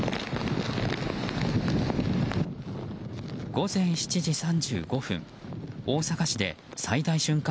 午前７時３５分大阪市で最大瞬間